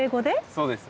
そうです。